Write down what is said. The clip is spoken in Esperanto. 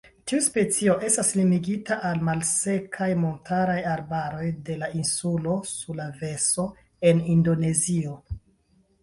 Tiu specio estas limigita al malsekaj montaraj arbaroj de la insulo Sulaveso en Indonezio.